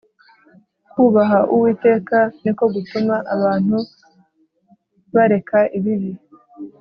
kubaha Uwiteka niko gutuma abantu bareka ibibi